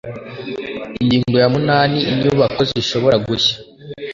ingingo ya munani inyubako zishobora gushya